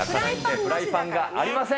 フライパンがありません。